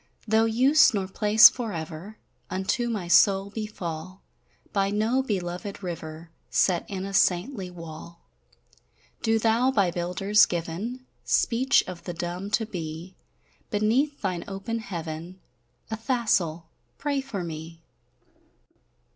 Tho' use nor place forever Unto my soul befall, By no belovèd river Set in a saintly wall, Do thou by builders given Speech of the dumb to be, Beneath thine open heaven, Athassel! pray for me.